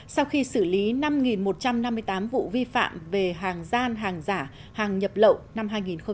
sau khi xử lý năm một trăm năm mươi tám vụ vi phạm về hàng gian hàng giả hàng nhập lậu năm hai nghìn một mươi chín